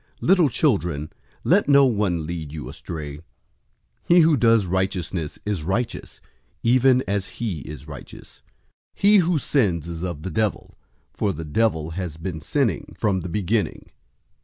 003:007 Little children, let no one lead you astray. He who does righteousness is righteous, even as he is righteous. 003:008 He who sins is of the devil, for the devil has been sinning from the beginning.